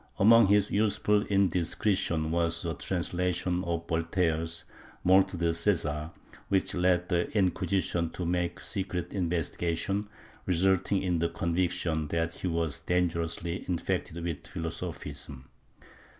Among his youthful indiscre tions was a translation of Voltaire's Mort de Cesar, which led the Inquisition to make secret investigations, resulting in the convic tion that he was dangerously infected with philosophism.